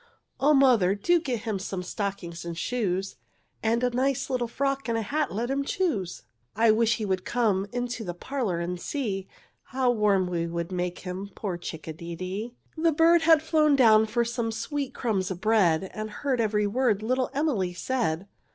"Oh, mother, do get him some stockings and shoes, And a nice little frock, and a hat, let him choose. I wish he'd come into the parlour, and see How warm we would make him, poor chick a de dee!" The bird had flown down for some sweet crumbs of bread, And heard every word little Emily said.